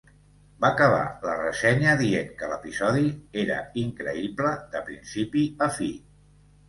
Va acabar la ressenya dient que l'episodi "era increïble, de principi a fi".